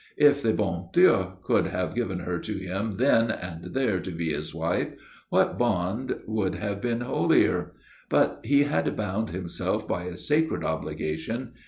If the bon Dieu could have given her to him then and there to be his wife, what bond could have been holier? But he had bound himself by a sacred obligation.